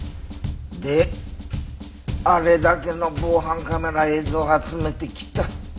であれだけの防犯カメラ映像を集めてきた。